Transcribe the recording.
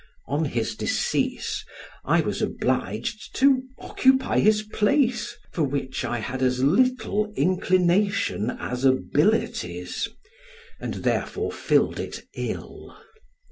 On his decease, I was obliged to occupy his place, for which I had as little inclination as abilities, and therefore filled it ill.